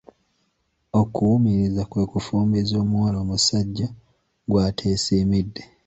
Okuwumiriza kwe kufumbiza omuwala omusajja gw'ateesimidde